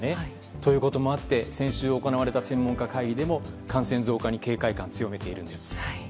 そういうこともあって先週行われた専門家会議でも感染増加に警戒していました。